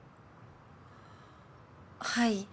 はい。